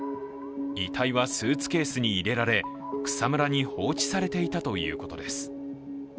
遺体はスーツケースに入れられ草むらに放置されていたということです。